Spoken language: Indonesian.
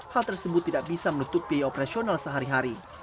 hal tersebut tidak bisa menutup biaya operasional sehari hari